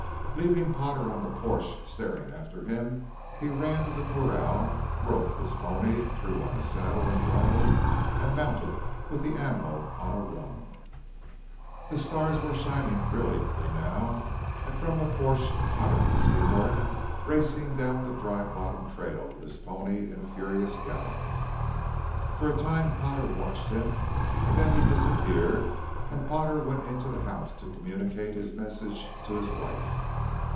Leaving Potter on the porch staring after him he ran to the corral, roped his pony, threw on a saddle and bridle and mounted with the animal on a run. The stars were shining brilliantly now and from the porch Potter could see Norton racing down the Dry Bottom trail with his pony in a furious gallop. For a time Potter watched him, then he disappeared and Potter went into the house to communicate his message to his wife.